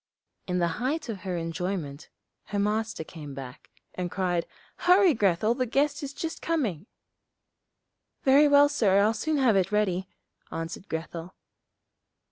In the height of her enjoyment, her Master came back, and cried, 'Hurry, Grethel, the guest is just coming.' 'Very well, sir, I'll soon have it ready,' answered Grethel.